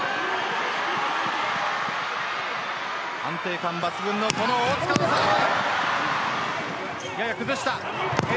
安定感抜群の大塚のサーブ。